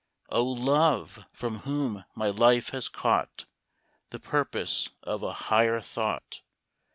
love ! from whom my life has caught The purpose of a higher thought.